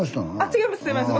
違います。